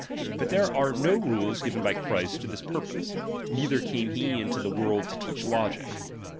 ^B But there are no rules given by Christ to this pur ^M pose, neither came he into the world to teach ^M logic.